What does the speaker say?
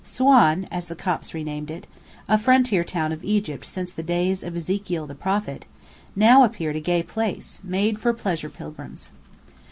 "Suan," as the Copts renamed it (a frontier town of Egypt since the days of Ezekiel the prophet), now appeared a gay place, made for pleasure pilgrims.